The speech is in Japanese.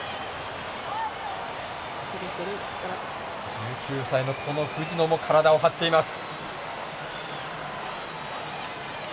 １９歳の藤野も体を張っています。